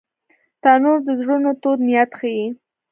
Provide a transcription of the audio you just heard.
تنور د زړونو تود نیت ښيي